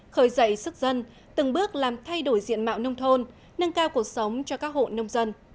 khởi dậy sức dân từng bước làm thay đổi diện mạo nông thôn nâng cao cuộc sống cho các hộ nông dân